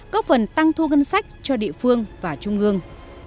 góp phần tăng thu ngân sách cho địa phương và trung ương